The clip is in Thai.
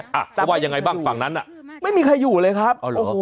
เขาว่ายังไงบ้างฝั่งนั้นน่ะไม่มีใครอยู่เลยครับอ๋อเหรอ